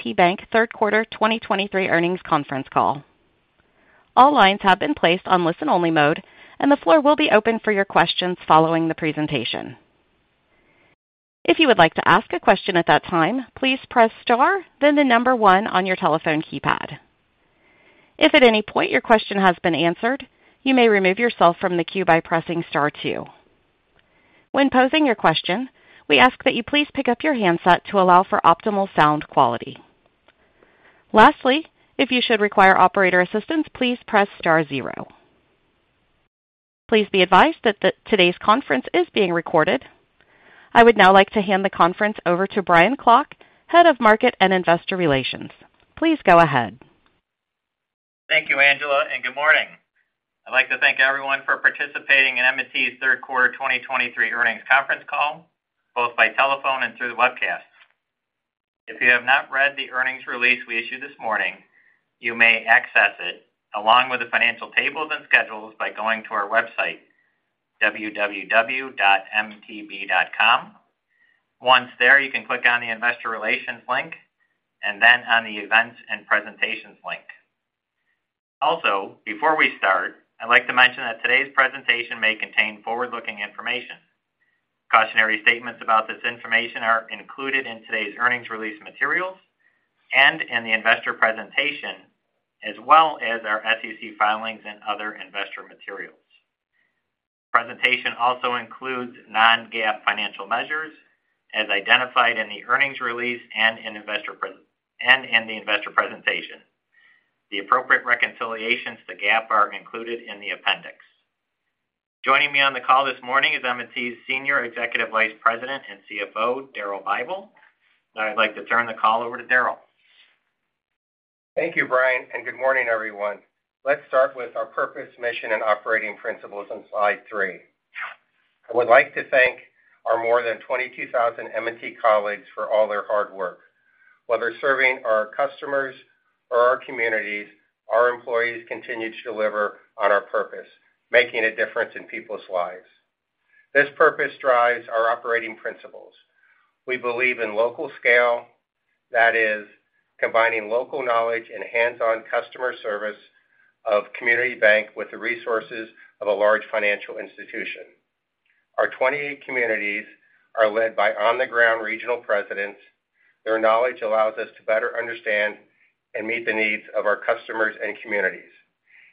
M&T Bank third quarter 2023 earnings conference call. All lines have been placed on listen-only mode, and the floor will be open for your questions following the presentation. If you would like to ask a question at that time, please press star, then the number one on your telephone keypad. If at any point your question has been answered, you may remove yourself from the queue by pressing star two. When posing your question, we ask that you please pick up your handset to allow for optimal sound quality. Lastly, if you should require operator assistance, please press star zero. Please be advised that today's conference is being recorded. I would now like to hand the conference over to Brian Klock, Head of Markets and Investor Relations. Please go ahead. Thank you, Angela, and good morning. I'd like to thank everyone for participating in M&T's third quarter 2023 earnings conference call, both by telephone and through the webcast. If you have not read the earnings release we issued this morning, you may access it, along with the financial tables and schedules, by going to our website, www.mtb.com. Once there, you can click on the Investor Relations link and then on the Events and Presentations link. Also, before we start, I'd like to mention that today's presentation may contain forward-looking information. Cautionary statements about this information are included in today's earnings release materials and in the investor presentation, as well as our SEC filings and other investor materials. The presentation also includes non-GAAP financial measures, as identified in the earnings release and in the investor presentation. The appropriate reconciliations to GAAP are included in the appendix. Joining me on the call this morning is M&T's Senior Executive Vice President and CFO, Daryl Bible. Now, I'd like to turn the call over to Daryl. Thank you, Brian, and good morning, everyone. Let's start with our purpose, mission, and operating principles on slide three. I would like to thank our more than 22,000 M&T colleagues for all their hard work. Whether serving our customers or our communities, our employees continue to deliver on our purpose: making a difference in people's lives. This purpose drives our operating principles. We believe in local scale. That is, combining local knowledge and hands-on customer service of community bank with the resources of a large financial institution. Our 28 communities are led by on-the-ground regional presidents. Their knowledge allows us to better understand and meet the needs of our customers and communities.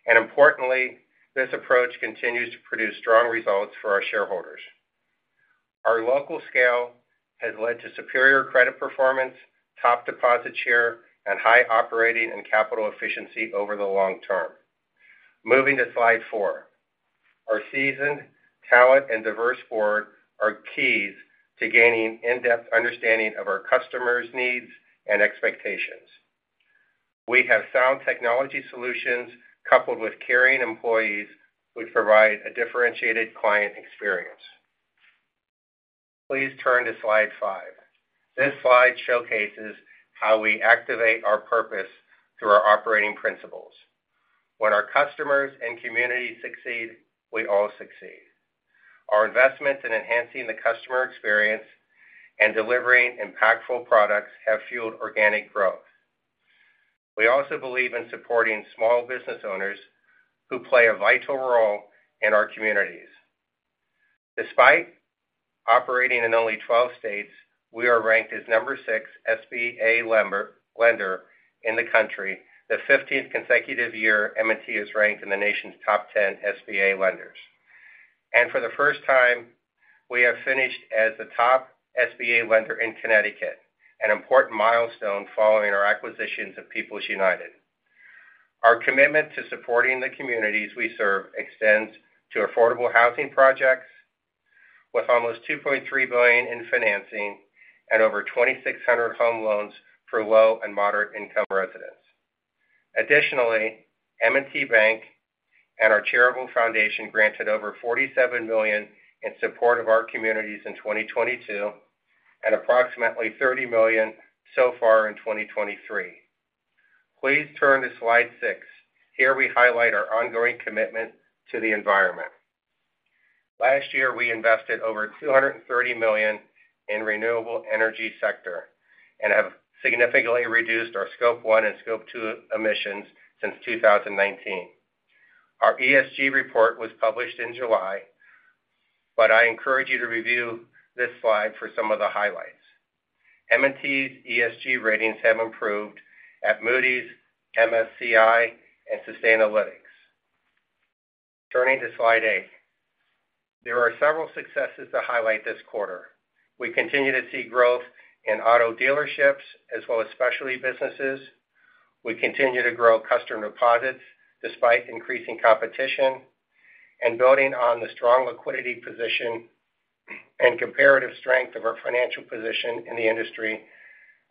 And importantly, this approach continues to produce strong results for our shareholders. Our local scale has led to superior credit performance, top deposit share, and high operating and capital efficiency over the long term. Moving to slide four. Our seasoned, talented, and diverse board are keys to gaining in-depth understanding of our customers' needs and expectations. We have sound technology solutions coupled with caring employees, which provide a differentiated client experience. Please turn to slide five. This slide showcases how we activate our purpose through our operating principles. When our customers and communities succeed, we all succeed. Our investments in enhancing the customer experience and delivering impactful products have fueled organic growth. We also believe in supporting small business owners who play a vital role in our communities. Despite operating in only 12 states, we are ranked as No. 6 SBA lender in the country, the 15th consecutive year M&T is ranked in the nation's top 10 SBA lenders. For the first time, we have finished as the top SBA lender in Connecticut, an important milestone following our acquisitions of People's United. Our commitment to supporting the communities we serve extends to affordable housing projects with almost $2.3 billion in financing and over 2,600 home loans for low and moderate-income residents. Additionally, M&T Bank and our charitable foundation granted over $47 million in support of our communities in 2022 and approximately $30 million so far in 2023. Please turn to slide six. Here we highlight our ongoing commitment to the environment. Last year, we invested over $230 million in renewable energy sector and have significantly reduced our Scope 1 and Scope 2 emissions since 2019. Our ESG report was published in July, but I encourage you to review this slide for some of the highlights. M&T's ESG ratings have improved at Moody's, MSCI, and Sustainalytics. Turning to slide eight. There are several successes to highlight this quarter. We continue to see growth in auto dealerships as well as specialty businesses. We continue to grow customer deposits despite increasing competition, and building on the strong liquidity position and comparative strength of our financial position in the industry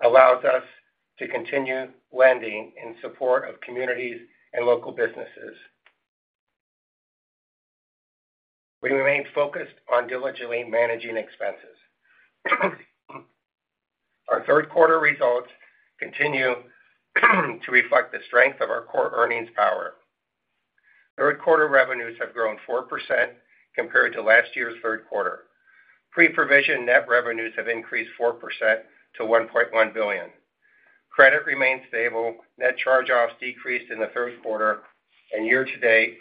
allows us to continue lending in support of communities and local businesses. We remain focused on diligently managing expenses. Our third quarter results continue to reflect the strength of our core earnings power. Third quarter revenues have grown 4% compared to last year's third quarter. Pre-provision net revenues have increased 4% to $1.1 billion. Credit remains stable. Net charge-offs decreased in the third quarter, and year-to-date,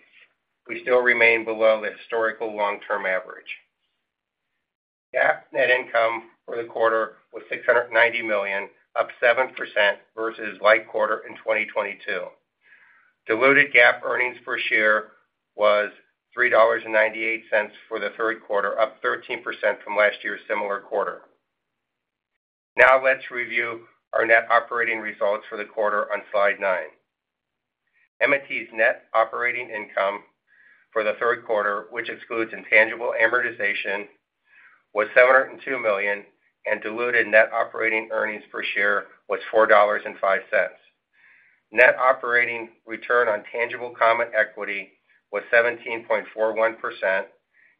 we still remain below the historical long-term average. GAAP net income for the quarter was $690 million, up 7% versus like quarter in 2022. Diluted GAAP earnings per share was $3.98 for the third quarter, up 13% from last year's similar quarter. Now let's review our net operating results for the quarter on slide nine. M&T's net operating income for the third quarter, which excludes intangible amortization, was $702 million, and diluted net operating earnings per share was $4.05. Net operating return on tangible common equity was 17.41%,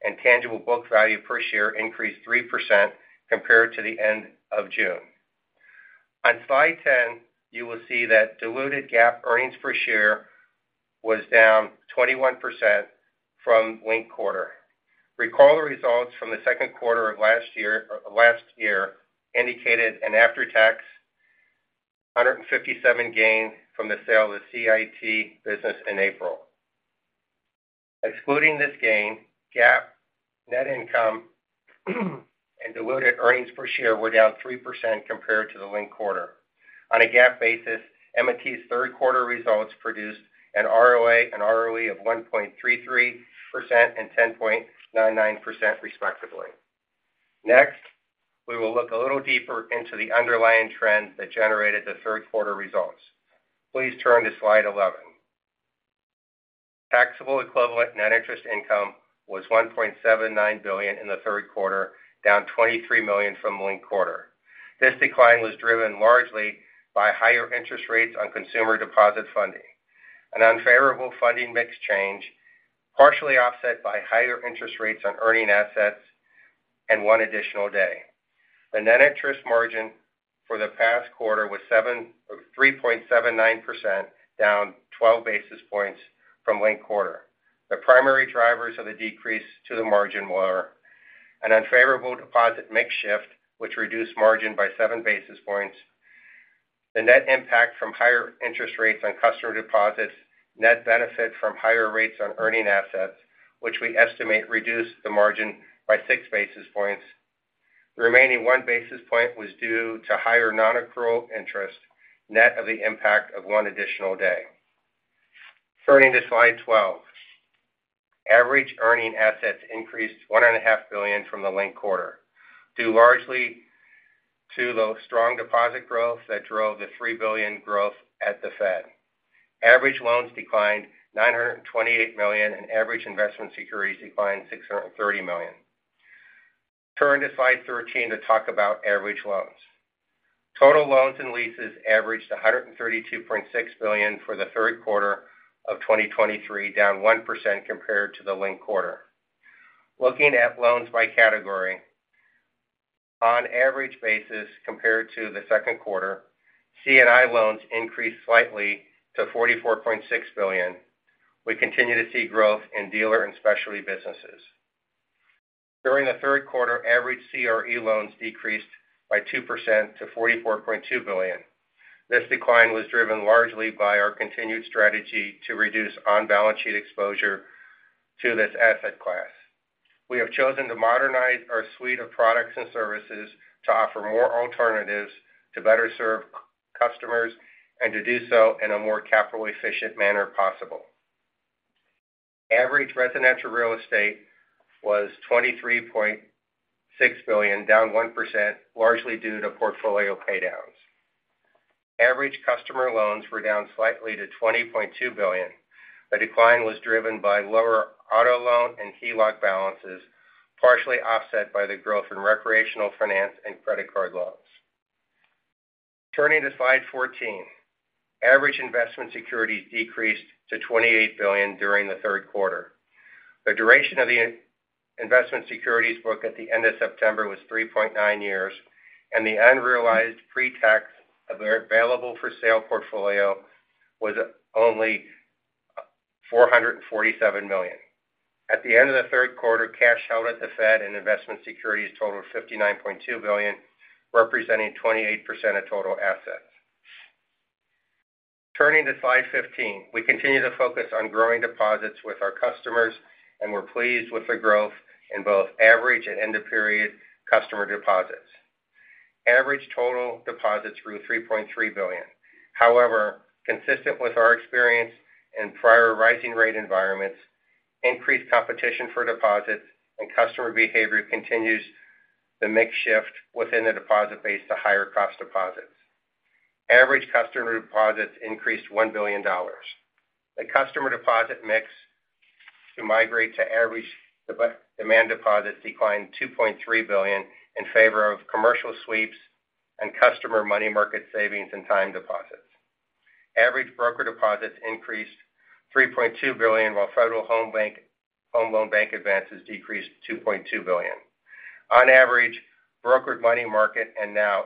and tangible book value per share increased 3% compared to the end of June. On slide 10, you will see that diluted GAAP earnings per share was down 21% from linked quarter. Recall the results from the second quarter of last year, last year indicated an after-tax $157 million gain from the sale of the CIT business in April. Excluding this gain, GAAP net income and diluted earnings per share were down 3% compared to the linked quarter. On a GAAP basis, M&T's third quarter results produced an ROA and ROE of 1.33% and 10.99%, respectively. Next, we will look a little deeper into the underlying trends that generated the third quarter results. Please turn to slide 11. Taxable equivalent net interest income was $1.79 billion in the third quarter, down $23 million from linked quarter. This decline was driven largely by higher interest rates on consumer deposit funding, an unfavorable funding mix change, partially offset by higher interest rates on earning assets and one additional day. The net interest margin for the past quarter was 3.79%, down 12 basis points from linked quarter. The primary drivers of the decrease to the margin were an unfavorable deposit mix shift, which reduced margin by 7 basis points. The net impact from higher interest rates on customer deposits, net benefit from higher rates on earning assets, which we estimate reduced the margin by 6 basis points. The remaining 1 basis point was due to higher nonaccrual interest, net of the impact of one additional day. Turning to slide 12. Average earning assets increased $1.5 billion from the linked quarter, due largely to the strong deposit growth that drove the $3 billion growth at the Fed. Average loans declined $928 million, and average investment securities declined $630 million. Turn to slide 13 to talk about average loans. Total loans and leases averaged $132.6 billion for the third quarter of 2023, down 1% compared to the linked quarter. Looking at loans by category. On average basis, compared to the second quarter, C&I loans increased slightly to $44.6 billion. We continue to see growth in dealer and specialty businesses. During the third quarter, average CRE loans decreased by 2% to $44.2 billion. This decline was driven largely by our continued strategy to reduce on-balance sheet exposure to this asset class. We have chosen to modernize our suite of products and services to offer more alternatives to better serve customers, and to do so in a more capital-efficient manner possible. Average residential real estate was $23.6 billion, down 1%, largely due to portfolio paydowns. Average customer loans were down slightly to $20.2 billion. The decline was driven by lower auto loan and HELOC balances, partially offset by the growth in recreational finance and credit card loans. Turning to slide 14. Average investment securities decreased to $28 billion during the third quarter. The duration of the investment securities book at the end of September was 3.9 years, and the unrealized pre-tax of their available-for-sale portfolio was only $447 million. At the end of the third quarter, cash held at the Fed and investment securities totaled $59.2 billion, representing 28% of total assets. Turning to slide 15. We continue to focus on growing deposits with our customers, and we're pleased with the growth in both average and end-of-period customer deposits. Average total deposits grew $3.3 billion. However, consistent with our experience in prior rising rate environments, increased competition for deposits and customer behavior continues the mix shift within the deposit base to higher cost deposits. Average customer deposits increased $1 billion. The customer deposit mix to migrate to average demand deposits declined $2.3 billion in favor of commercial sweeps and customer money market savings and time deposits. Average brokered deposits increased $3.2 billion, while Federal Home Loan Bank advances decreased $2.2 billion. On average, brokered money market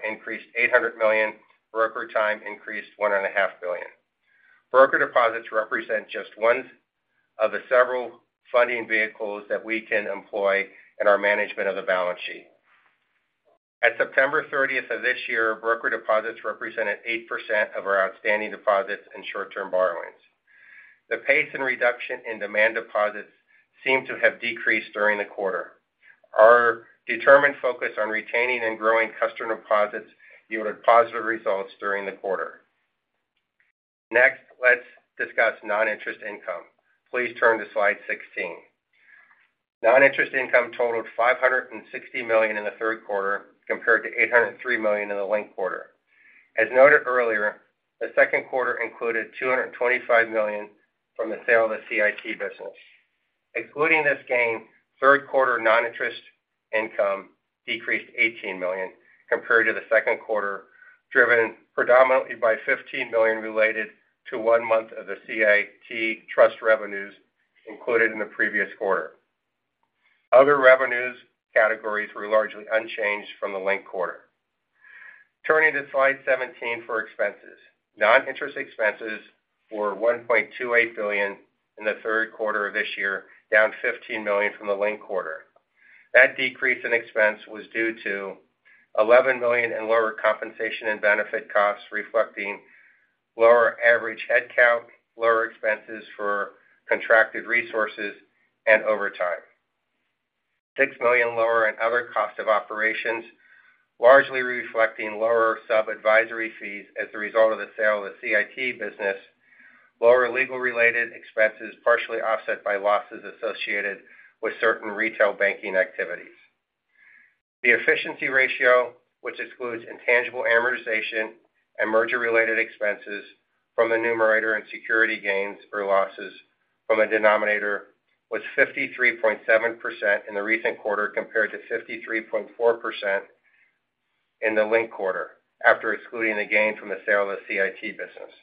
increased $800 million, brokered time increased $1.5 billion. Brokered deposits represent just one of the several funding vehicles that we can employ in our management of the balance sheet. At September 30th of this year, brokered deposits represented 8% of our outstanding deposits and short-term borrowings. The pace and reduction in demand deposits seem to have decreased during the quarter. Our determined focus on retaining and growing customer deposits yielded positive results during the quarter. Next, let's discuss non-interest income. Please turn to slide 16. Non-interest income totaled $560 million in the third quarter, compared to $803 million in the linked quarter. As noted earlier, the second quarter included $225 million from the sale of the CIT business. Excluding this gain, third quarter non-interest income decreased $18 million compared to the second quarter, driven predominantly by $15 million related to one month of the CIT trust revenues included in the previous quarter. Other revenues categories were largely unchanged from the linked quarter. Turning to slide 17 for expenses. Non-interest expenses were $1.28 billion in the third quarter of this year, down $15 million from the linked quarter. That decrease in expense was due to $11 million in lower compensation and benefit costs, reflecting lower average headcount, lower expenses for contracted resources and overtime. Six million lower in other costs of operations, largely reflecting lower sub-advisory fees as a result of the sale of the CIT business, lower legal related expenses, partially offset by losses associated with certain retail banking activities. The efficiency ratio, which excludes intangible amortization and merger-related expenses from the numerator and security gains or losses from a denominator, was 53.7% in the recent quarter, compared to 53.4% in the linked quarter, after excluding the gain from the sale of the CIT business.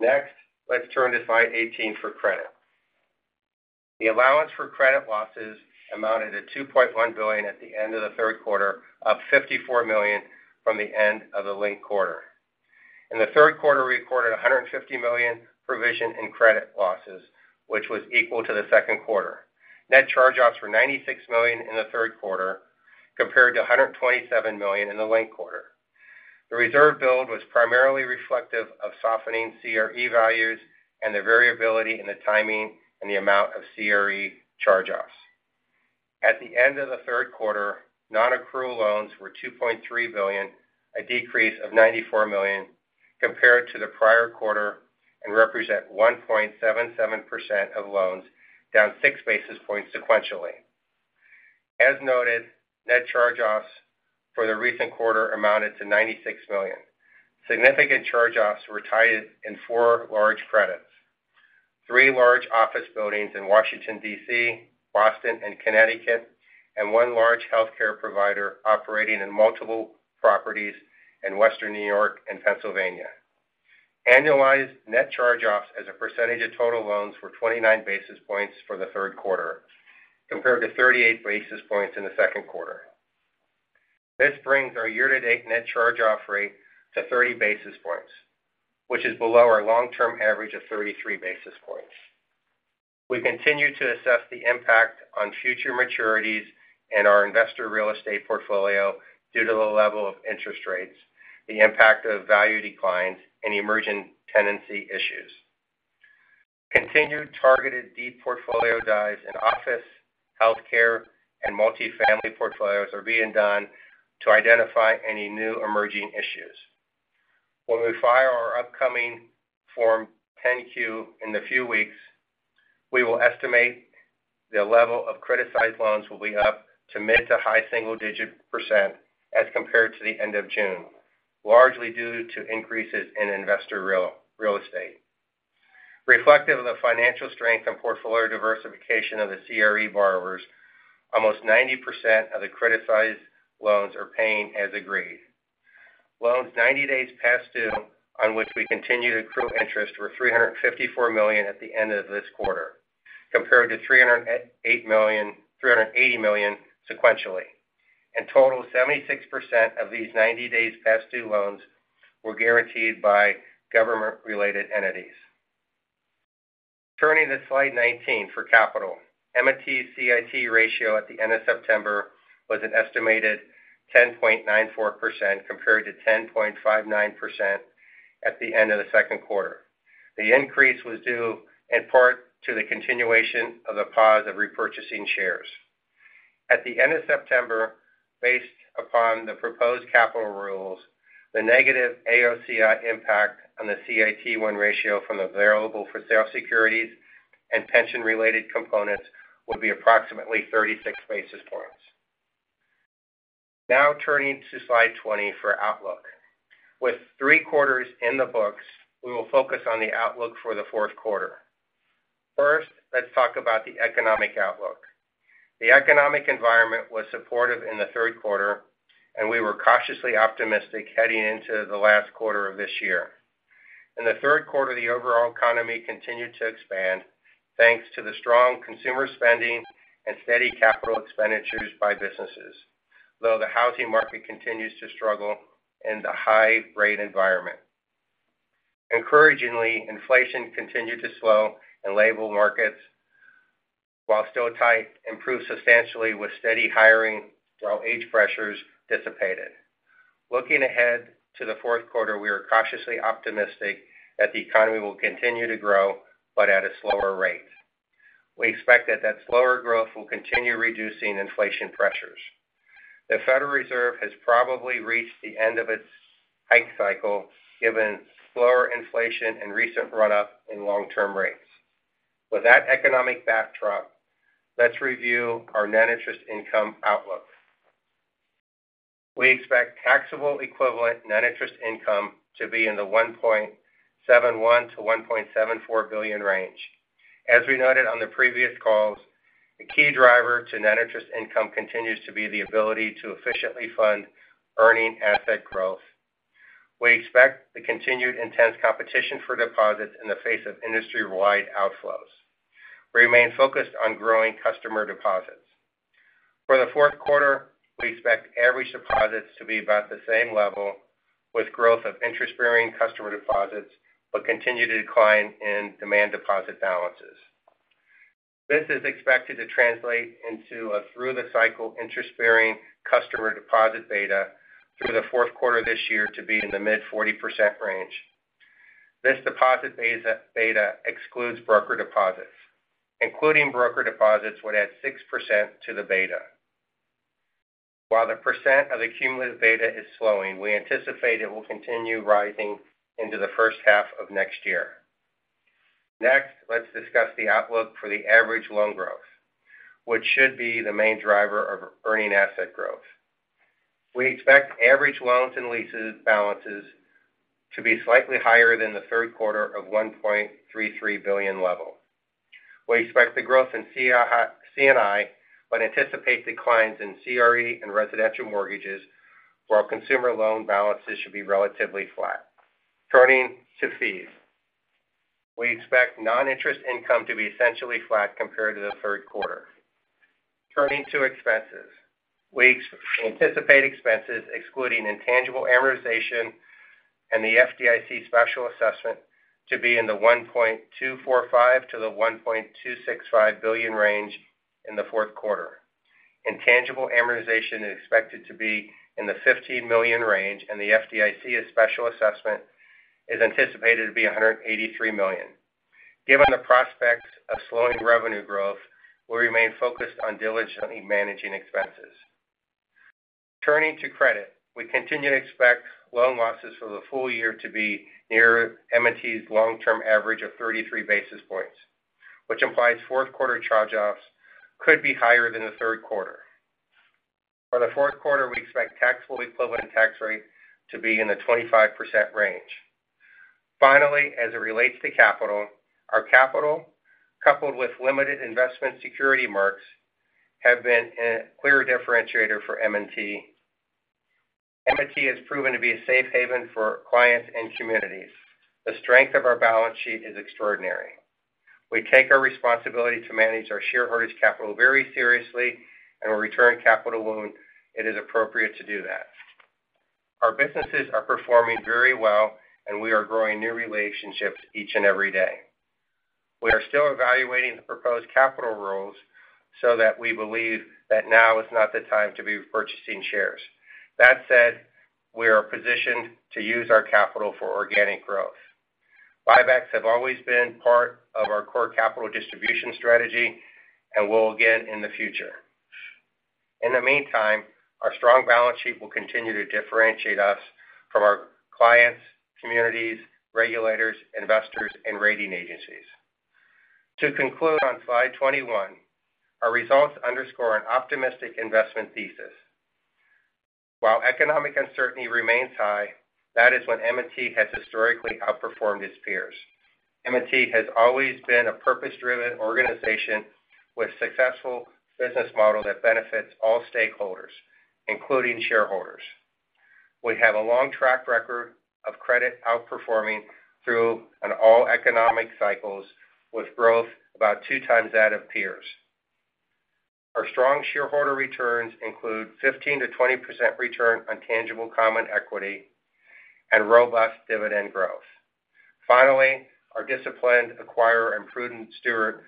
Next, let's turn to slide 18 for credit. The allowance for credit losses amounted to $2.1 billion at the end of the third quarter, up $54 million from the end of the linked quarter. In the third quarter, we recorded a $150 million provision in credit losses, which was equal to the second quarter. Net charge-offs were $96 million in the third quarter, compared to a $127 million in the linked quarter. The reserve build was primarily reflective of softening CRE values and the variability in the timing and the amount of CRE charge-offs. At the end of the third quarter, non-accrual loans were $2.3 billion, a decrease of $94 million compared to the prior quarter, and represent 1.77% of loans, down six basis points sequentially. As noted, net charge-offs for the recent quarter amounted to $96 million. Significant charge-offs were tied in four large credits: three large office buildings in Washington, D.C., Boston, and Connecticut, and one large healthcare provider operating in multiple properties in Western New York and Pennsylvania. Annualized net charge-offs as a percentage of total loans were 29 basis points for the third quarter, compared to 38 basis points in the second quarter. This brings our year-to-date net charge-off rate to 30 basis points, which is below our long-term average of 33 basis points. We continue to assess the impact on future maturities in our investor real estate portfolio due to the level of interest rates, the impact of value declines, and emerging tenancy issues. Continued targeted deep portfolio dives in office, healthcare, and multifamily portfolios are being done to identify any new emerging issues. When we file our upcoming Form 10-Q in a few weeks, we will estimate the level of criticized loans will be up to mid- to high single-digit % as compared to the end of June, largely due to increases in investor real estate. Reflective of the financial strength and portfolio diversification of the CRE borrowers, almost 90% of the criticized loans are paying as agreed. Loans 90 days past due, on which we continue to accrue interest, were $354 million at the end of this quarter, compared to $380 million sequentially. In total, 76% of these 90 days past due loans were guaranteed by government-related entities. Turning to slide 19 for capital. M&T's CET1 ratio at the end of September was an estimated 10.94%, compared to 10.59% at the end of the second quarter. The increase was due in part to the continuation of the pause of repurchasing shares. At the end of September, based upon the proposed capital rules, the negative AOCI impact on the CET1 ratio from the available-for-sale securities and pension-related components will be approximately 36 basis points. Now, turning to slide 20 for outlook. With three quarters in the books, we will focus on the outlook for the fourth quarter. First, let's talk about the economic outlook. The economic environment was supportive in the third quarter, and we were cautiously optimistic heading into the last quarter of this year. In the third quarter, the overall economy continued to expand, thanks to the strong consumer spending and steady capital expenditures by businesses, though the housing market continues to struggle in the high rate environment. Encouragingly, inflation continued to slow, and labor markets, while still tight, improved substantially with steady hiring, while wage pressures dissipated. Looking ahead to the fourth quarter, we are cautiously optimistic that the economy will continue to grow, but at a slower rate. We expect that, that slower growth will continue reducing inflation pressures. The Federal Reserve has probably reached the end of its hike cycle, given slower inflation and recent run-up in long-term rates. With that economic backdrop, let's review our net interest income outlook. We expect taxable equivalent net interest income to be in the $1.71 billion-$1.74 billion range. As we noted on the previous calls, the key driver to net interest income continues to be the ability to efficiently fund earning asset growth. We expect the continued intense competition for deposits in the face of industry-wide outflows. We remain focused on growing customer deposits. For the fourth quarter, we expect average deposits to be about the same level, with growth of interest-bearing customer deposits, but continue to decline in demand deposit balances. This is expected to translate into a through the cycle interest-bearing customer deposit beta through the fourth quarter this year to be in the mid-40% range. This deposit beta, beta excludes brokered deposits. Including brokered deposits would add 6% to the beta. While the percent of the cumulative beta is slowing, we anticipate it will continue rising into the first half of next year. Next, let's discuss the outlook for the average loan growth, which should be the main driver of earning asset growth. We expect average loans and leases balances to be slightly higher than the third quarter of $1.33 billion level. We expect the growth in C&I, but anticipate declines in CRE and residential mortgages, while consumer loan balances should be relatively flat. Turning to fees, we expect non-interest income to be essentially flat compared to the third quarter. Turning to expenses, we anticipate expenses, excluding intangible amortization and the FDIC special assessment, to be in the $1.245 billion-$1.265 billion range in the fourth quarter. Intangible amortization is expected to be in the $15 million range, and the FDIC special assessment is anticipated to be $183 million. Given the prospects of slowing revenue growth, we remain focused on diligently managing expenses. Turning to credit, we continue to expect loan losses for the full year to be near M&T's long-term average of 33 basis points, which implies fourth quarter charge-offs could be higher than the third quarter. For the fourth quarter, we expect taxable equivalent tax rate to be in the 25% range. Finally, as it relates to capital, our capital, coupled with limited investment security marks, have been a clear differentiator for M&T. M&T has proven to be a safe haven for clients and communities. The strength of our balance sheet is extraordinary. We take our responsibility to manage our shareholder's capital very seriously, and we return capital when it is appropriate to do that. Our businesses are performing very well, and we are growing new relationships each and every day. We are still evaluating the proposed capital rules so that we believe that now is not the time to be purchasing shares. That said, we are positioned to use our capital for organic growth. Buybacks have always been part of our core capital distribution strategy and will again in the future. In the meantime, our strong balance sheet will continue to differentiate us from our clients, communities, regulators, investors, and rating agencies. To conclude on slide 21, our results underscore an optimistic investment thesis. While economic uncertainty remains high, that is when M&T has historically outperformed its peers. M&T has always been a purpose-driven organization with successful business model that benefits all stakeholders, including shareholders. We have a long track record of credit outperforming through all economic cycles with growth about two times that of peers. Our strong shareholder returns include 15%-20% return on tangible common equity and robust dividend growth. Finally, our disciplined acquirer and prudent steward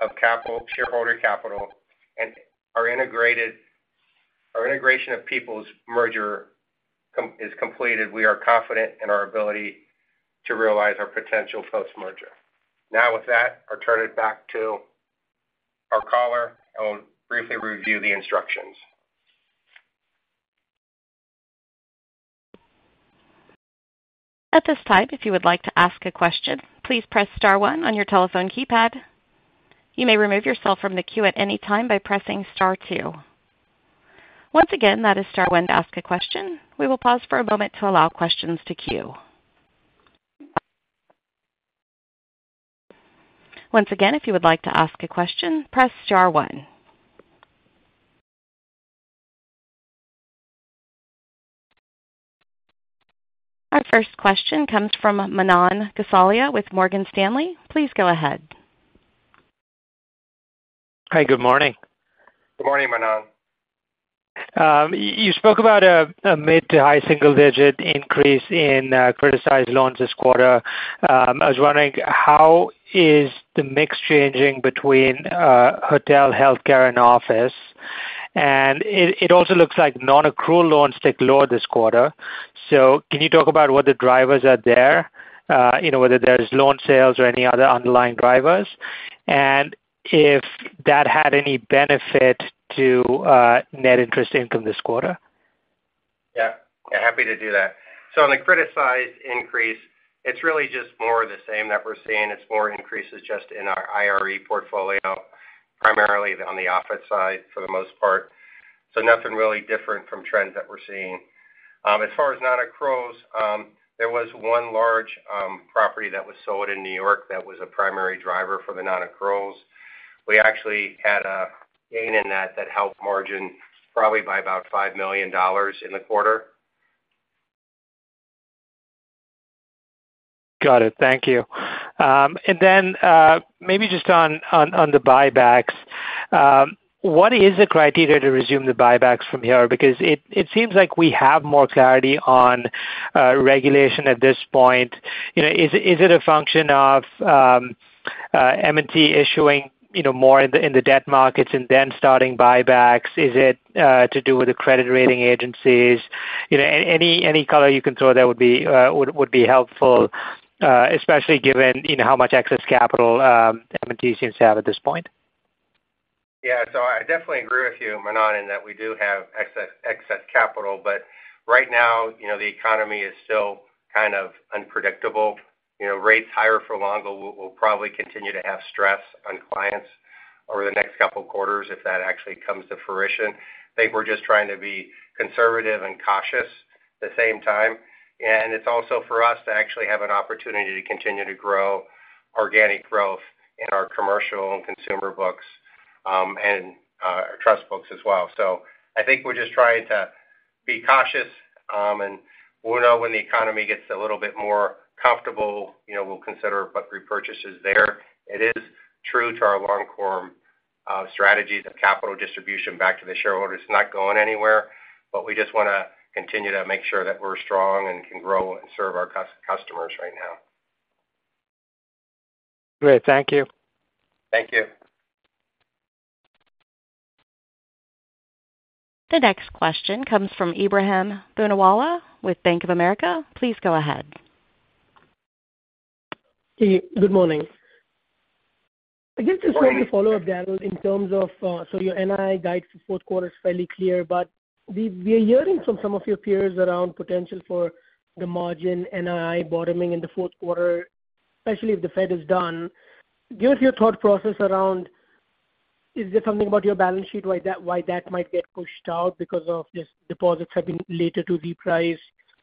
of capital, shareholder capital, and our integration of People's merger is completed, we are confident in our ability to realize our potential post-merger. Now, with that, I'll turn it back to our caller, and we'll briefly review the instructions. At this time, if you would like to ask a question, please press star one on your telephone keypad. You may remove yourself from the queue at any time by pressing star two. Once again, that is star one to ask a question. We will pause for a moment to allow questions to queue. Once again, if you would like to ask a question, press star one. Our first question comes from Manan Gosalia with Morgan Stanley. Please go ahead. Hi, good morning. Good morning, Manan. You spoke about a mid to high single-digit increase in criticized loans this quarter. I was wondering how is the mix changing between hotel, healthcare, and office? And it also looks like non-accrual loans tick lower this quarter. So can you talk about what the drivers are there, you know, whether there's loan sales or any other underlying drivers, and if that had any benefit to net interest income this quarter? Yeah, happy to do that. So on the criticized increase, it's really just more of the same that we're seeing. It's more increases just in our IRE portfolio, primarily on the office side for the most part. So nothing really different from trends that we're seeing. As far as non-accruals, there was one large property that was sold in New York that was a primary driver for the non-accruals. We actually had a gain in that, that helped margin probably by about $5 million in the quarter. Got it. Thank you. And then, maybe just on the buybacks. What is the criteria to resume the buybacks from here? Because it seems like we have more clarity on regulation at this point. You know, is it a function of M&T issuing, you know, more in the debt markets and then starting buybacks? Is it to do with the credit rating agencies? You know, any color you can throw there would be helpful, especially given, you know, how much excess capital M&T seems to have at this point. Yeah. So I definitely agree with you, Manan, in that we do have excess capital, but right now, you know, the economy is still kind of unpredictable. You know, rates higher for longer will probably continue to have stress on clients over the next couple of quarters if that actually comes to fruition. I think we're just trying to be conservative and cautious the same time, and it's also for us to actually have an opportunity to continue to grow organic growth in our commercial and consumer books, and trust books as well. So I think we're just trying to be cautious, and we'll know when the economy gets a little bit more comfortable, you know, we'll consider what repurchases there. It is true to our long-term strategies of capital distribution back to the shareholders. It's not going anywhere, but we just want to continue to make sure that we're strong and can grow and serve our customers right now. Great. Thank you. Thank you. The next question comes from Ebrahim Poonawala with Bank of America. Please go ahead. Hey, good morning. Good morning. I guess just a quick follow-up, Daryl, in terms of—so your NII guide for fourth quarter is fairly clear, but we, we are hearing from some of your peers around potential for the margin NII bottoming in the fourth quarter, especially if the Fed is done. Give us your thought process around, is there something about your balance sheet why that, why that might get pushed out because of just deposits have been later to repriced,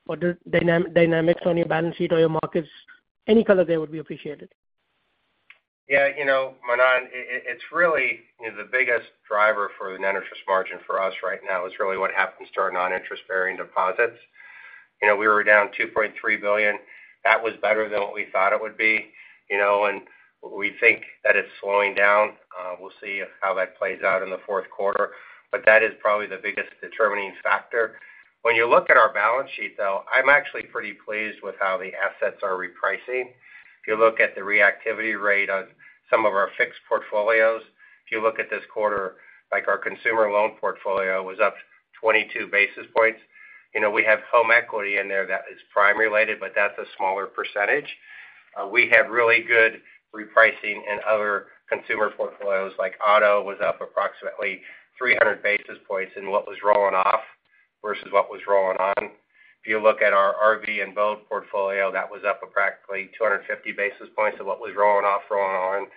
or the dynamics on your balance sheet or your markets? Any color there would be appreciated. Yeah, you know, Ebrahim, it's really, you know, the biggest driver for the net interest margin for us right now is really what happens to our non-interest-bearing deposits. You know, we were down $2.3 billion. That was better than what we thought it would be, you know, and we think that it's slowing down. We'll see how that plays out in the fourth quarter, but that is probably the biggest determining factor. When you look at our balance sheet, though, I'm actually pretty pleased with how the assets are repricing. If you look at the repricing rate on some of our fixed portfolios, if you look at this quarter, like our consumer loan portfolio was up 22 basis points. You know, we have home equity in there that is prime-related, but that's a smaller percentage. We have really good repricing in other consumer portfolios, like auto was up approximately 300 basis points in what was rolling off versus what was rolling on. If you look at our RV and boat portfolio, that was up practically 250 basis points of what was rolling off, rolling on.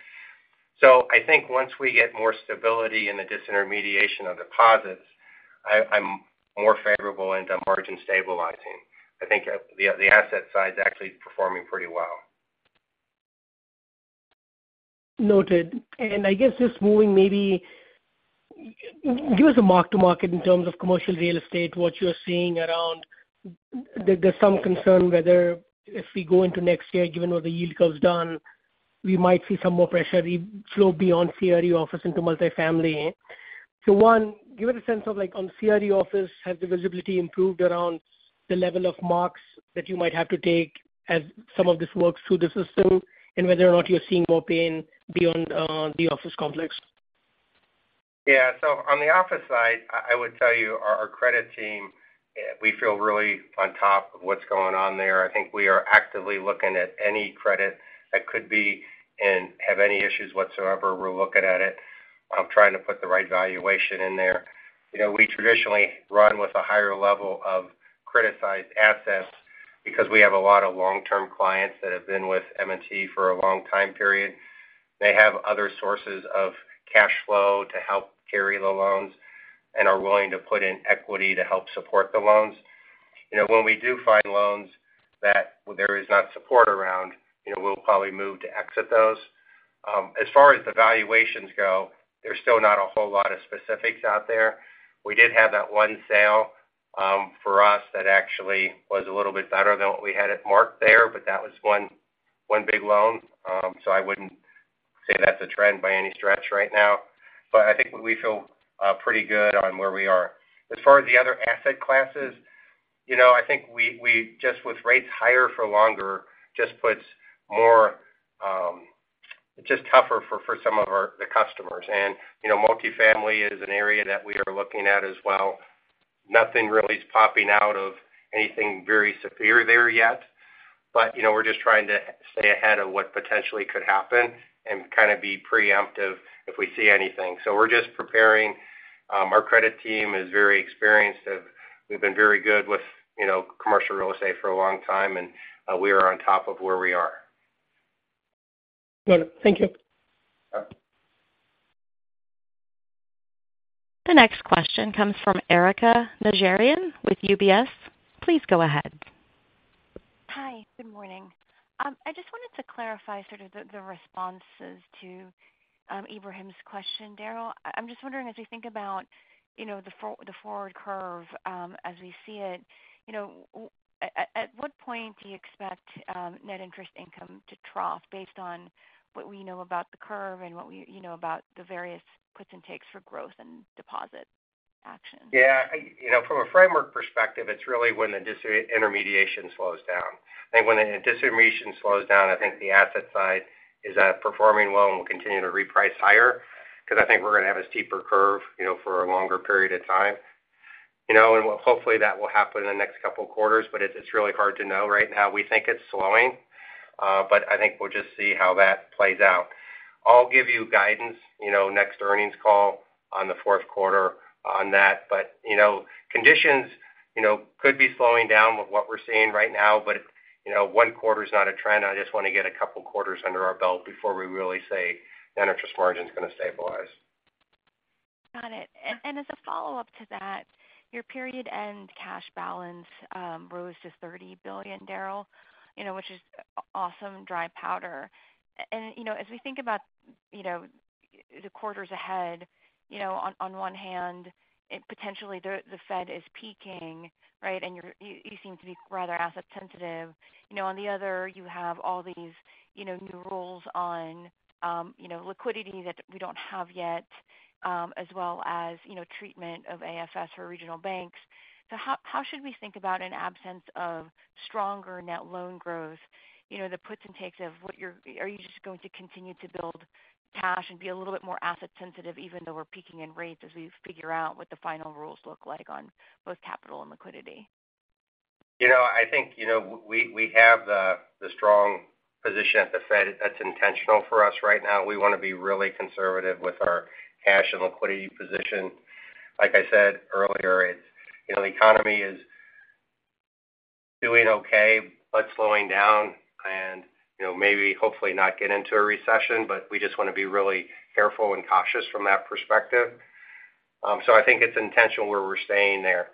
So I think once we get more stability in the disintermediation of deposits, I, I'm more favorable into margin stabilizing. I think the, the asset side is actually performing pretty well. Noted. And I guess just moving maybe, give us a mark to market in terms of commercial real estate, what you're seeing around, there, there's some concern whether if we go into next year, given where the yield goes down, we might see some more pressure flow beyond CRE office into multifamily. So one, give us a sense of, like, on CRE office, has the visibility improved around the level of marks that you might have to take as some of this works through the system, and whether or not you're seeing more pain beyond, the office complex? Yeah. So on the office side, I would tell you, our credit team, we feel really on top of what's going on there. I think we are actively looking at any credit that could be and have any issues whatsoever. We're looking at it. I'm trying to put the right valuation in there. You know, we traditionally run with a higher level of criticized assets because we have a lot of long-term clients that have been with M&T for a long time period. They have other sources of cash flow to help carry the loans and are willing to put in equity to help support the loans. You know, when we do find loans that there is not support around, you know, we'll probably move to exit those. As far as the valuations go, there's still not a whole lot of specifics out there. We did have that one sale, for us, that actually was a little bit better than what we had it marked there, but that was one big loan. So I wouldn't say that's a trend by any stretch right now, but I think we feel pretty good on where we are. As far as the other asset classes, you know, I think we just with rates higher for longer, just puts more just tougher for some of our customers. And, you know, multifamily is an area that we are looking at as well. Nothing really is popping out of anything very severe there yet, but, you know, we're just trying to stay ahead of what potentially could happen and kind of be preemptive if we see anything. So we're just preparing. Our credit team is very experienced. We've been very good with, you know, commercial real estate for a long time, and we are on top of where we are. Got it. Thank you. Yeah. The next question comes from Erika Najarian with UBS. Please go ahead. Hi, good morning. I just wanted to clarify sort of the, the responses to, Ebrahim's question, Daryl. I'm just wondering, as you think about, you know, the forward curve, as we see it, you know, at, at what point do you expect, net interest income to trough based on what we know about the curve and what we, you know, about the various puts and takes for growth and deposit action? Yeah, you know, from a framework perspective, it's really when the disintermediation slows down. I think when the disintermediation slows down, I think the asset side is performing well and will continue to reprice higher because I think we're going to have a steeper curve, you know, for a longer period of time. You know, and hopefully, that will happen in the next couple of quarters, but it's really hard to know right now. We think it's slowing, but I think we'll just see how that plays out. I'll give you guidance, you know, next earnings call on the fourth quarter on that. But, you know, conditions could be slowing down with what we're seeing right now, but, you know, one quarter is not a trend. I just want to get a couple of quarters under our belt before we really say net interest margin is going to stabilize. Got it. And as a follow-up to that, your period-end cash balance rose to $30 billion, Daryl, you know, which is awesome dry powder. And, you know, as we think about, you know, the quarters ahead, you know, on one hand, it potentially the Fed is peaking, right? And you seem to be rather asset sensitive. You know, on the other, you have all these, you know, new rules on you know, liquidity that we don't have yet, as well as, you know, treatment of AFS for regional banks. So how should we think about an absence of stronger net loan growth? You know, the puts and takes of what you're, are you just going to continue to build cash and be a little bit more asset sensitive, even though we're peaking in rates as we figure out what the final rules look like on both capital and liquidity? You know, I think, you know, we have the strong position at the Fed. That's intentional for us right now. We want to be really conservative with our cash and liquidity position. Like I said earlier, it's, you know, the economy is doing okay, but slowing down and, you know, maybe hopefully not get into a recession, but we just want to be really careful and cautious from that perspective. So I think it's intentional where we're staying there.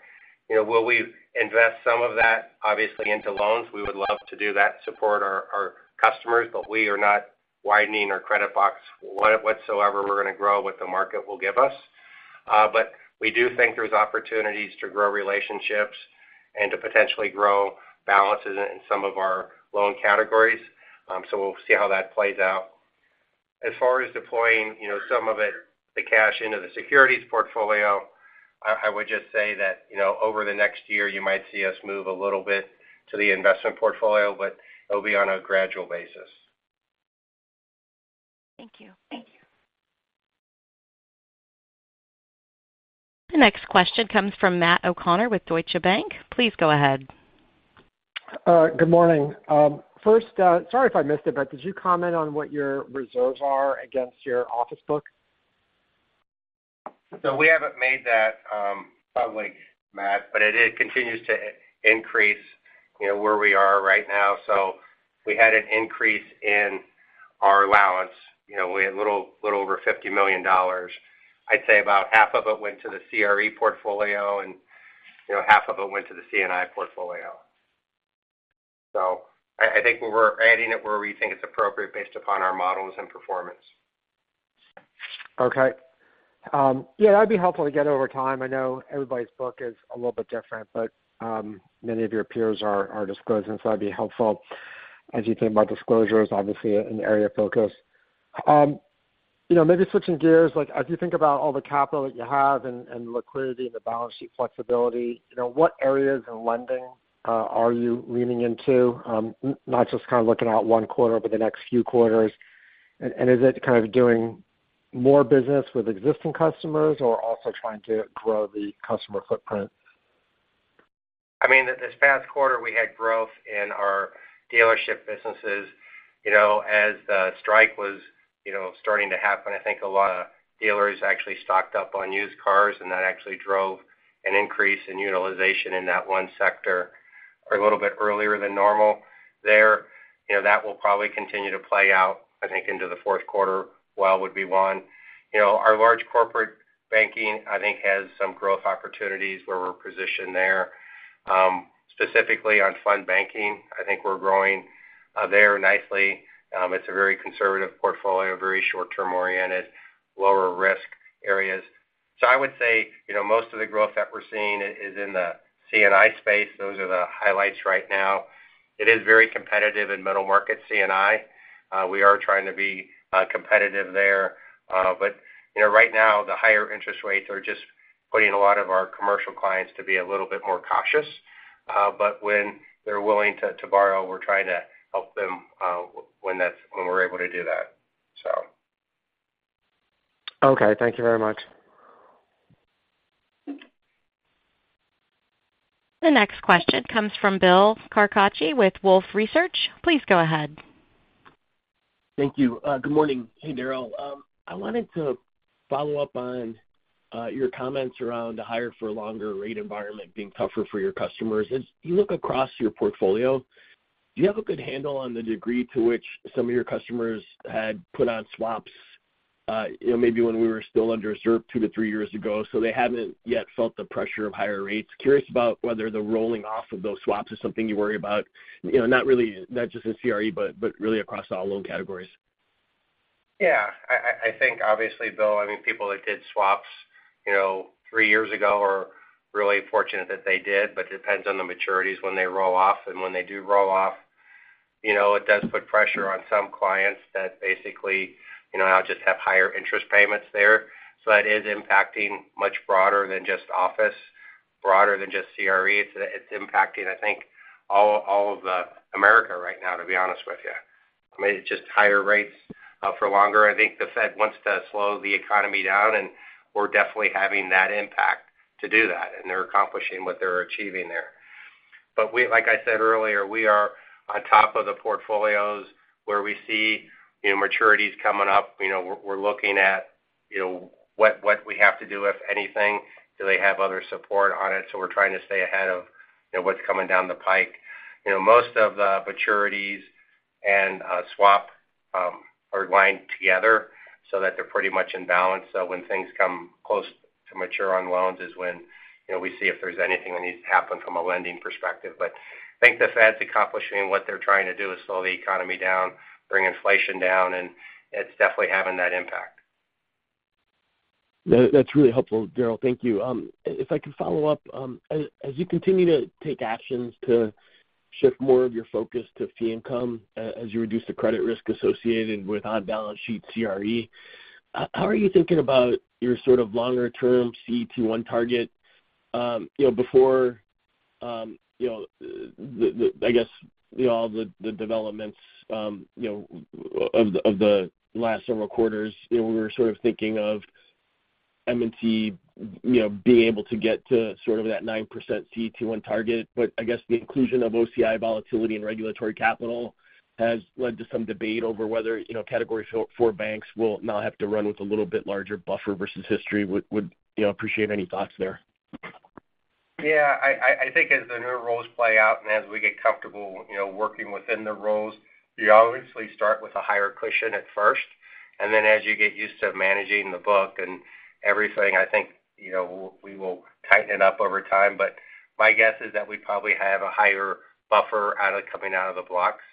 You know, will we invest some of that, obviously, into loans? We would love to do that, support our customers, but we are not widening our credit box whatsoever. We're going to grow what the market will give us. But we do think there's opportunities to grow relationships and to potentially grow balances in some of our loan categories. So we'll see how that plays out. As far as deploying, you know, some of it, the cash into the securities portfolio, I would just say that, you know, over the next year, you might see us move a little bit to the investment portfolio, but it'll be on a gradual basis. Thank you. Thank you. The next question comes from Matt O'Connor with Deutsche Bank. Please go ahead. Good morning. First, sorry if I missed it, but did you comment on what your reserves are against your office book? So we haven't made that public, Matt, but it continues to increase, you know, where we are right now. So we had an increase in our allowance. You know, we had a little over $50 million. I'd say about half of it went to the CRE portfolio, and, you know, half of it went to the C&I portfolio. So I think we're adding it where we think it's appropriate based upon our models and performance. Okay. Yeah, that'd be helpful to get over time. I know everybody's book is a little bit different, but many of your peers are disclosing, so that'd be helpful as you think about disclosures, obviously an area of focus. You know, maybe switching gears, like, as you think about all the capital that you have and liquidity and the balance sheet flexibility, you know, what areas in lending are you leaning into? Not just kind of looking at one quarter, but the next few quarters. And is it kind of doing more business with existing customers or also trying to grow the customer footprint? I mean, this past quarter, we had growth in our dealership businesses. You know, as the strike was, you know, starting to happen, I think a lot of dealers actually stocked up on used cars, and that actually drove an increase in utilization in that one sector are a little bit earlier than normal there. You know, that will probably continue to play out, I think, into the fourth quarter, well, would be one. You know, our large corporate banking, I think, has some growth opportunities where we're positioned there. Specifically on fund banking, I think we're growing there nicely. It's a very conservative portfolio, very short-term oriented, lower risk areas. So I would say, you know, most of the growth that we're seeing is in the C&I space. Those are the highlights right now. It is very competitive in middle market C&I. We are trying to be competitive there, but, you know, right now, the higher interest rates are just putting a lot of our commercial clients to be a little bit more cautious. But when they're willing to borrow, we're trying to help them, when we're able to do that, so. Okay, thank you very much. The next question comes from Bill Carcache with Wolfe Research. Please go ahead. Thank you. Good morning. Hey, Daryl. I wanted to follow up on your comments around the higher for longer rate environment being tougher for your customers. As you look across your portfolio, do you have a good handle on the degree to which some of your customers had put on swaps, you know, maybe when we were still under reserve two to three years ago, so they haven't yet felt the pressure of higher rates? Curious about whether the rolling off of those swaps is something you worry about, you know, not really, not just in CRE, but, but really across all loan categories. Yeah, I think obviously, Bill, I mean, people that did swaps, you know, three years ago are really fortunate that they did, but it depends on the maturities when they roll off. And when they do roll off, you know, it does put pressure on some clients that basically, you know, now just have higher interest payments there. So that is impacting much broader than just office, broader than just CRE. It's impacting, I think, all of America right now, to be honest with you. I mean, it's just higher rates for longer. I think the Fed wants to slow the economy down, and we're definitely having that impact to do that, and they're accomplishing what they're achieving there. But we, like I said earlier, we are on top of the portfolios where we see, you know, maturities coming up. You know, we're looking at, you know, what we have to do, if anything. Do they have other support on it? So we're trying to stay ahead of, you know, what's coming down the pike. You know, most of the maturities and swap are lined together so that they're pretty much in balance. So when things come close to mature on loans is when, you know, we see if there's anything that needs to happen from a lending perspective. But I think the Fed's accomplishing what they're trying to do, is slow the economy down, bring inflation down, and it's definitely having that impact. Yeah, that's really helpful, Daryl. Thank you. If I could follow up. As you continue to take actions to shift more of your focus to fee income, as you reduce the credit risk associated with on-balance sheet CRE, how are you thinking about your sort of longer-term CET1 target? You know, before, you know, the, the, I guess, you know, all the developments, you know, of the last several quarters, you know, we were sort of thinking of M&T, you know, being able to get to sort of that 9% CET1 target. But I guess the inclusion of OCI volatility and regulatory capital has led to some debate over whether, you know, Category IV banks will now have to run with a little bit larger buffer versus history. I would, you know, appreciate any thoughts there? Yeah, I think as the new roles play out and as we get comfortable, you know, working within the roles, you obviously start with a higher cushion at first, and then as you get used to managing the book and everything, I think, you know, we will tighten it up over time. But my guess is that we probably have a higher buffer coming out of the blocks.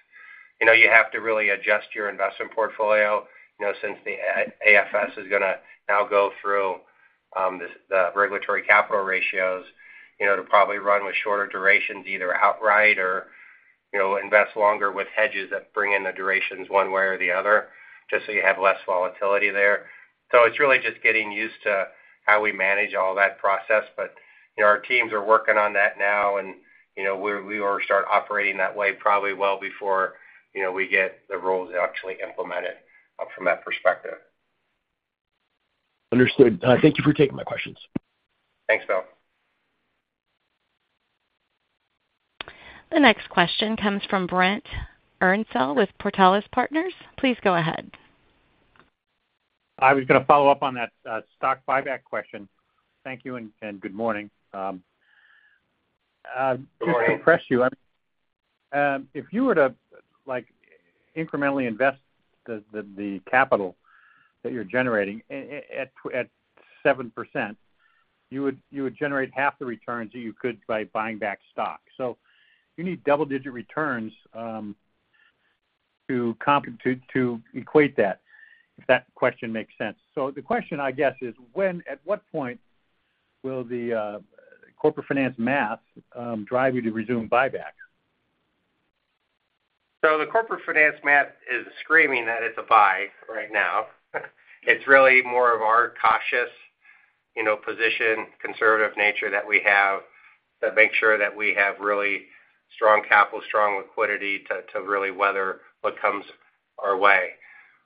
You know, you have to really adjust your investment portfolio, you know, since the AFS is gonna now go through this, the regulatory capital ratios, you know, to probably run with shorter durations, either outright or, you know, invest longer with hedges that bring in the durations one way or the other, just so you have less volatility there. So it's really just getting used to how we manage all that process. But, you know, our teams are working on that now, and, you know, we're, we will start operating that way probably well before, you know, we get the roles actually implemented, from that perspective. Understood. Thank you for taking my questions. Thanks, Bill. The next question comes from Brent Erensel with Portales Partners. Please go ahead. I was gonna follow up on that, stock buyback question. Thank you, and good morning. Good morning. Just to press you on, if you were to, like, incrementally invest the capital that you're generating at 7%, you would generate half the returns that you could by buying back stock. So you need double-digit returns to equate that, if that question makes sense. So the question, I guess, is at what point will the corporate finance math drive you to resume buyback? So the corporate finance math is screaming that it's a buy right now. It's really more of our cautious, you know, position, conservative nature that we have, to make sure that we have really strong capital, strong liquidity to, to really weather what comes our way.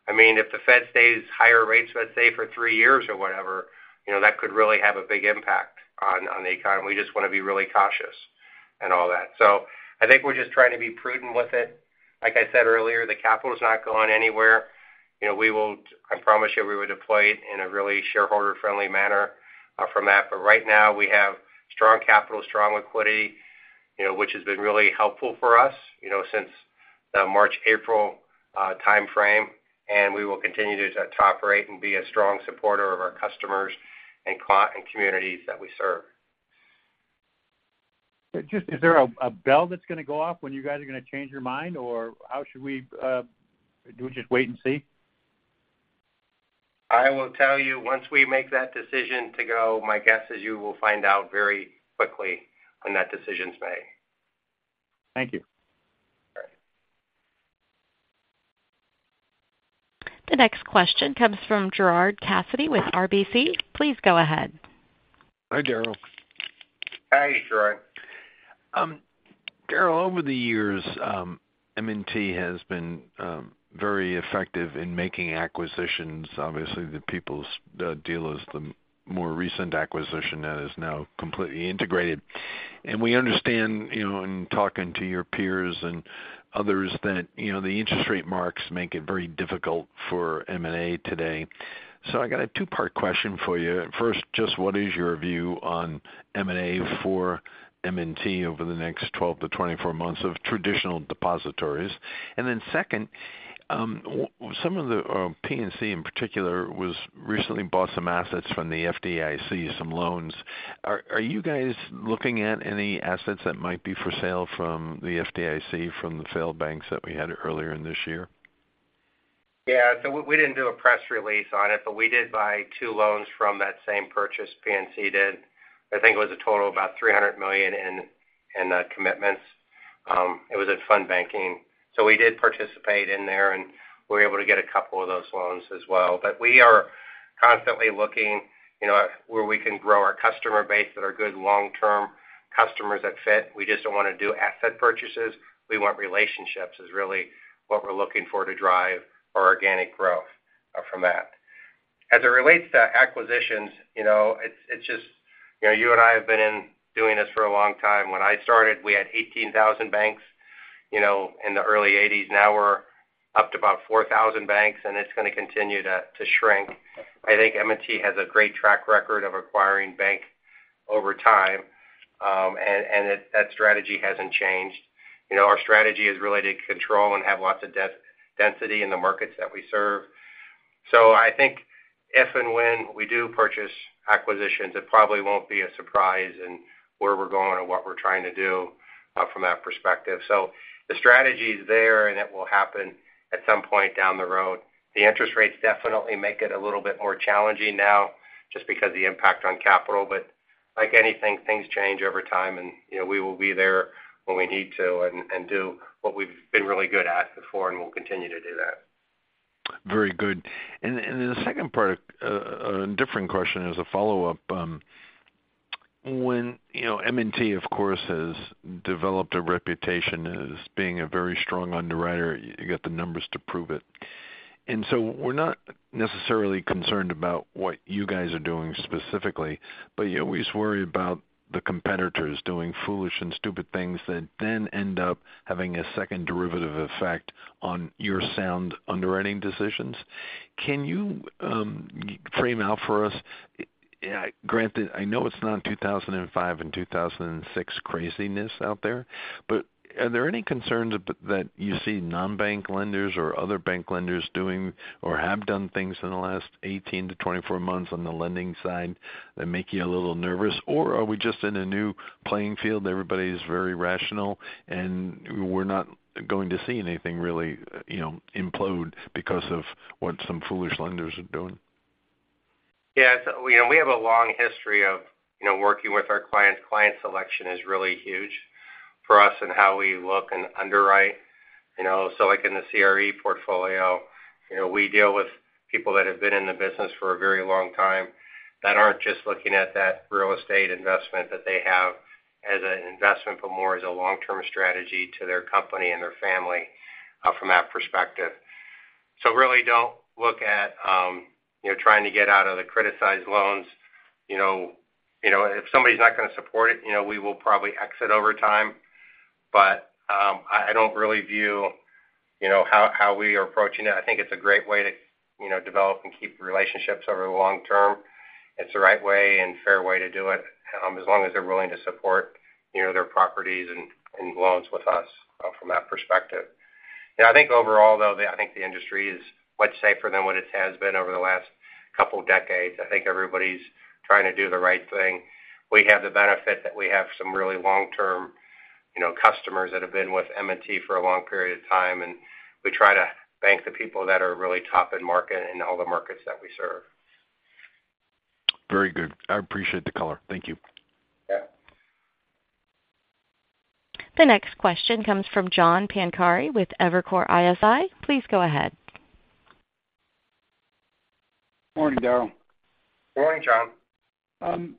I mean, if the Fed stays higher rates, let's say, for three years or whatever, you know, that could really have a big impact on, on the economy. We just want to be really cautious and all that. So I think we're just trying to be prudent with it, like I said earlier, the capital is not going anywhere. You know, we will, I promise you, we will deploy it in a really shareholder-friendly manner, from that. But right now, we have strong capital, strong liquidity, you know, which has been really helpful for us, you know, since the March, April time frame, and we will continue to operate and be a strong supporter of our customers and communities that we serve. Just, is there a bell that's going to go off when you guys are going to change your mind, or how should we, do we just wait and see? I will tell you, once we make that decision to go, my guess is you will find out very quickly when that decision's made. Thank you. All right. The next question comes from Gerard Cassidy with RBC. Please go ahead. Hi, Daryl. Hi, Gerard. Daryl, over the years, M&T has been very effective in making acquisitions. Obviously, the People's deal is the more recent acquisition that is now completely integrated. And we understand, you know, in talking to your peers and others, that, you know, the interest rate marks make it very difficult for M&A today. So I got a two-part question for you. First, just what is your view on M&A for M&T over the next 12 to 24 months of traditional depositories? And then second, some of the PNC in particular was recently bought some assets from the FDIC, some loans. Are you guys looking at any assets that might be for sale from the FDIC, from the failed banks that we had earlier in this year? Yeah. So we, we didn't do a press release on it, but we did buy two loans from that same purchase PNC did. I think it was a total of about $300 million in, in, commitments. It was from the FDIC. So we did participate in there, and we were able to get a couple of those loans as well. But we are constantly looking, you know, where we can grow our customer base that are good long-term customers that fit. We just don't want to do asset purchases. We want relationships, is really what we're looking for to drive our organic growth, from that. As it relates to acquisitions, you know, it's, it's just, you know, you and I have been in doing this for a long time. When I started, we had 18,000 banks, you know, in the early 1980s. Now we're up to about 4,000 banks, and it's going to continue to shrink. I think M&T has a great track record of acquiring banks over time, and that strategy hasn't changed. You know, our strategy is really to control and have lots of density in the markets that we serve. So I think if and when we do purchase acquisitions, it probably won't be a surprise in where we're going or what we're trying to do, from that perspective. So the strategy is there, and it will happen at some point down the road. The interest rates definitely make it a little bit more challenging now, just because the impact on capital. But like anything, things change over time, and, you know, we will be there when we need to and do what we've been really good at before, and we'll continue to do that. Very good. The second part, a different question as a follow-up. When, you know, M&T, of course, has developed a reputation as being a very strong underwriter, you got the numbers to prove it. And so we're not necessarily concerned about what you guys are doing specifically, but you always worry about the competitors doing foolish and stupid things that then end up having a second derivative effect on your sound underwriting decisions. Can you frame out for us, granted, I know it's not 2005 and 2006 craziness out there, but are there any concerns that you see non-bank lenders or other bank lenders doing or have done things in the last 18 to 24 months on the lending side that make you a little nervous? Or are we just in a new playing field, everybody is very rational, and we're not going to see anything really, you know, implode because of what some foolish lenders are doing? Yeah, so we have a long history of, you know, working with our clients. Client selection is really huge for us and how we look and underwrite, you know. So like in the CRE portfolio, you know, we deal with people that have been in the business for a very long time, that aren't just looking at that real estate investment that they have as an investment, but more as a long-term strategy to their company and their family from that perspective. So really don't look at, you know, trying to get out of the criticized loans. You know, you know, if somebody's not going to support it, you know, we will probably exit over time. But I don't really view, you know, how we are approaching it. I think it's a great way to, you know, develop and keep relationships over the long term. It's the right way and fair way to do it, as long as they're willing to support, you know, their properties and loans with us, from that perspective. You know, I think overall, though, I think the industry is much safer than what it has been over the last couple of decades. I think everybody's trying to do the right thing. We have the benefit that we have some really long-term, you know, customers that have been with M&T for a long period of time, and we try to bank the people that are really top in market in all the markets that we serve. Very good. I appreciate the color. Thank you. Yeah. The next question comes from John Pancari with Evercore ISI. Please go ahead. Morning, Daryl. Morning, John.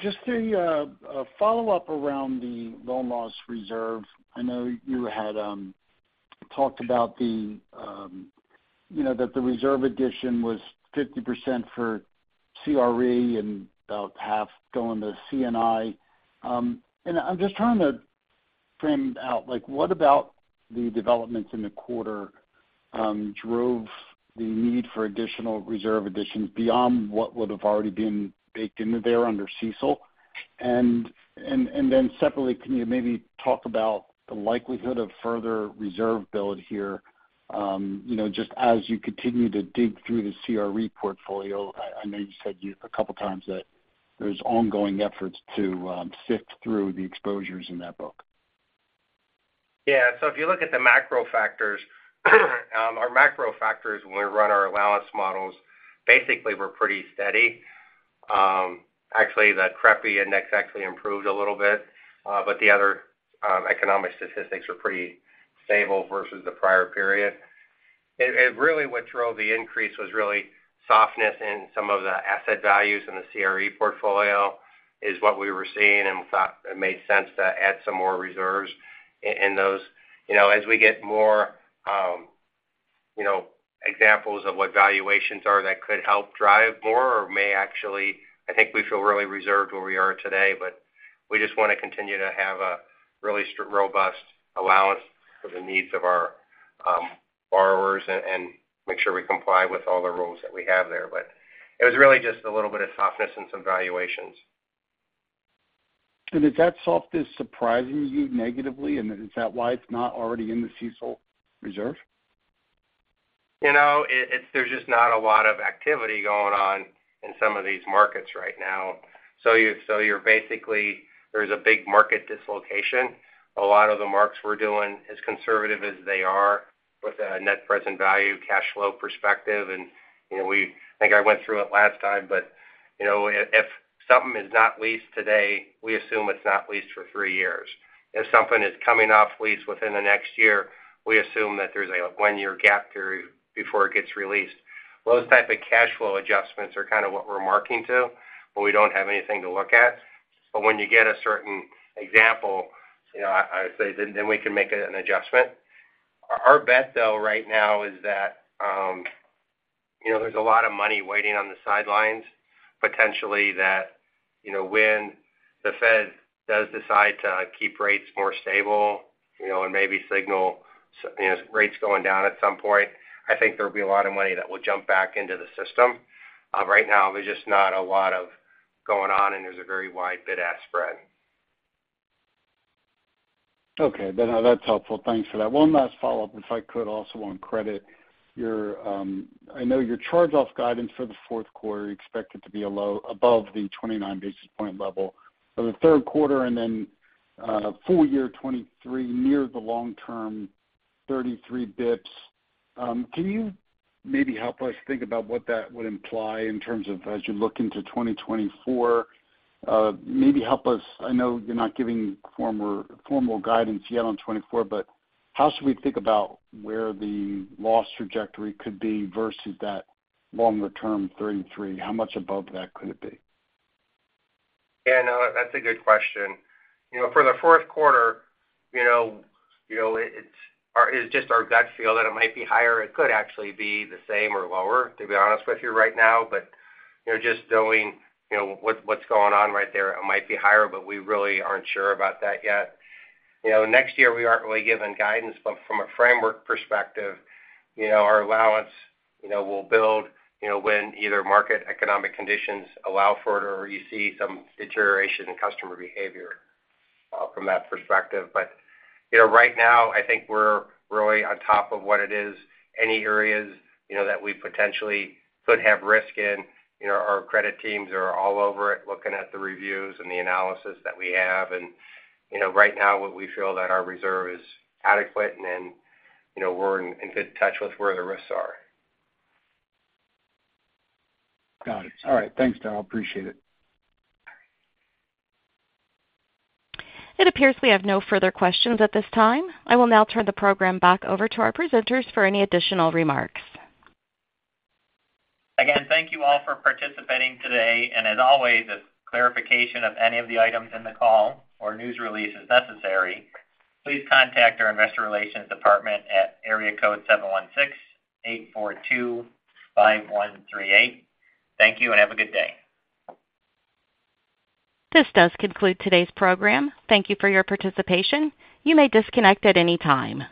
Just a follow-up around the loan loss reserve. I know you had talked about the, you know, that the reserve addition was 50% for CRE and about half going to C&I. And I'm just trying to frame out, like, what about the developments in the quarter, drove the need for additional reserve additions beyond what would have already been baked into there under CECL? And then separately, can you maybe talk about the likelihood of further reserve build here, you know, just as you continue to dig through the CRE portfolio? I know you said you—a couple times that there's ongoing efforts to, sift through the exposures in that book. Yeah. So if you look at the macro factors, our macro factors, when we run our allowance models, basically were pretty steady. Actually, the CREPI Index actually improved a little bit, but the other, economic statistics were pretty stable versus the prior period. And really, what drove the increase was really softness in some of the asset values in the CRE portfolio, is what we were seeing and thought it made sense to add some more reserves in those. You know, as we get more, you know, examples of what valuations are that could help drive more or may actually—I think we feel really reserved where we are today, but we just wanna continue to have a really strong robust allowance for the needs of our, borrowers and, and make sure we comply with all the rules that we have there. But it was really just a little bit of softness in some valuations. Did that softness surprising you negatively, and then is that why it's not already in the CECL reserve? You know, it's—there's just not a lot of activity going on in some of these markets right now. So you're basically, there's a big market dislocation. A lot of the marks we're doing, as conservative as they are with a net present value cash flow perspective, and, you know, I think I went through it last time, but, you know, if something is not leased today, we assume it's not leased for three years. If something is coming off lease within the next year, we assume that there's a one-year gap period before it gets released. Those type of cash flow adjustments are kind of what we're marking to, but we don't have anything to look at. But when you get a certain example, you know, I would say then we can make an adjustment. Our bet, though, right now is that, you know, there's a lot of money waiting on the sidelines, potentially that, you know, when the Fed does decide to keep rates more stable, you know, and maybe signal, you know, rates going down at some point, I think there'll be a lot of money that will jump back into the system. Right now, there's just not a lot of going on, and there's a very wide bid-ask spread. Okay, then that's helpful. Thanks for that. One last follow-up, if I could, also on credit. Your I know your charge-off guidance for the fourth quarter, you expect it to be a low-above the 29 basis point level for the third quarter, and then full year 2023, near the long-term 33 basis points. Can you maybe help us think about what that would imply in terms of as you look into 2024? Maybe help us, I know you're not giving formal guidance yet on 2024, but how should we think about where the loss trajectory could be versus that longer-term 33? How much above that could it be? Yeah, no, that's a good question. You know, for the fourth quarter, you know, you know, it's, or it's just our gut feel that it might be higher. It could actually be the same or lower, to be honest with you right now. But, you know, just knowing, you know, what, what's going on right there, it might be higher, but we really aren't sure about that yet. You know, next year, we aren't really giving guidance, but from a framework perspective, you know, our allowance, you know, will build, you know, when either market economic conditions allow for it or you see some deterioration in customer behavior, from that perspective. But, you know, right now, I think we're really on top of what it is. Any areas, you know, that we potentially could have risk in, you know, our credit teams are all over it, looking at the reviews and the analysis that we have. You know, right now, what we feel that our reserve is adequate, and then, you know, we're in good touch with where the risks are. Got it. All right, thanks, Daryl. Appreciate it. It appears we have no further questions at this time. I will now turn the program back over to our presenters for any additional remarks. Again, thank you all for participating today. As always, if clarification of any of the items in the call or news release is necessary, please contact our investor relations department at area code 716-842-5138. Thank you, and have a good day. This does conclude today's program. Thank you for your participation. You may disconnect at any time.